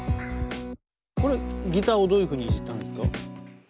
これはギターをどういうふうにいじったんですか？